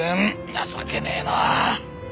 情けねえなあ。